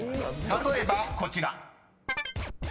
例えばこちら］